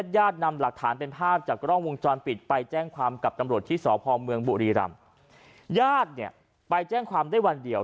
ญาตินำหลักฐานเป็นภาพจากกล้องวงจรปิดไปแจ้งความกับตำรวจที่สพเมืองบุรีรำญาติเนี่ยไปแจ้งความได้วันเดียว